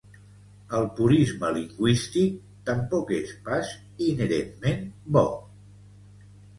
El purisme lingüístic tampoc és pas inherentment bo.